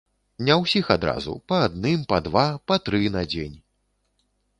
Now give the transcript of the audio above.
Не ўсіх адразу, па адным, па два, па тры на дзень.